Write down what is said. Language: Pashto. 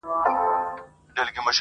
شرمنده سو ته وا ټول عالم پر خاندي.!